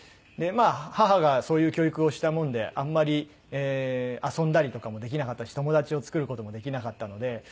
で母がそういう教育をしたものであんまり遊んだりとかもできなかったし友達を作る事もできなかったので。